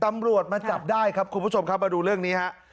ตำรวจมาจับได้ครับคุณผู้ชมครับมาดูเรื่องนี้ฮะ